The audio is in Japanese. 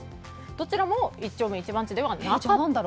どちらも１丁目１番地ではなかった。